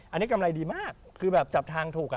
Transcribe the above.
อันนี้กำไรดีมากจับทางถูก